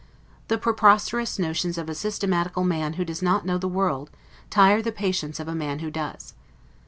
The preposterous notions of a systematical man who does not know the world, tire the patience of a man who does.